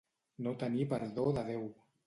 No tenir perdó de Déu.